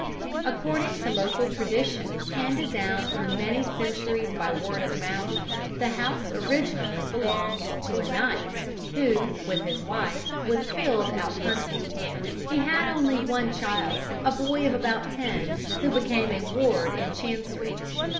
According to local tradition, handed down through many centuries by word of mouth, the house originally belonged to a knight, who, with his wife, was killed out hunting. He had only one child, a boy of about ten, who became a ward in chancery.